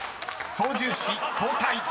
［操縦士交代］